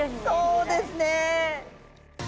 そうですね！